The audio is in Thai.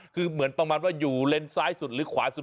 คือเหมือนประมาณว่าอยู่เลนซ้ายสุดหรือขวาสุด